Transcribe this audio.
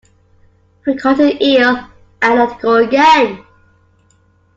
We caught an eel and let it go again.